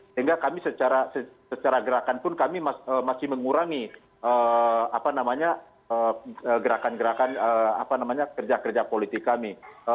sehingga kami secara gerakan pun kami masih mengurangi gerakan gerakan kerja kerja politik kami